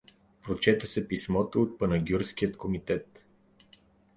Прочете се писмото от панагюрския комитет.